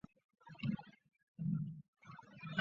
分布于南盘江及其所属水体等。